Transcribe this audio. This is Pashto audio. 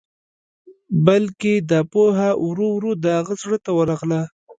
بلکې دا پوهه ورو ورو د هغه زړه ته ورغله.